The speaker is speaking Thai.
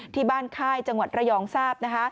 ที่บ้านค่ายจังหวัดระยองทราบ